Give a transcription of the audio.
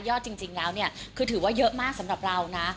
ยอดจริงแล้วคือถือว่าเยอะมากสำหรับเรานะ